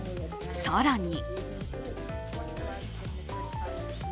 更に。